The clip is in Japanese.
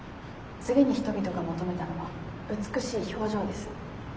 次に人々が求めたのは美しい表情です。